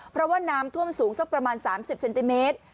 เพราะว่าน้ำท่วมสูงสักประมาณ๓๐เซนติเมตร